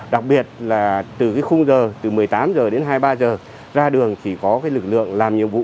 đặc biệt là từ cái khung giờ từ một mươi tám h đến hai mươi ba h ra đường thì có cái lực lượng làm nhiệm vụ